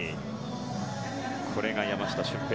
これが山下舜平